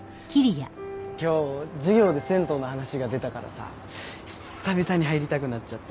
今日授業で銭湯の話が出たからさ久々に入りたくなっちゃって。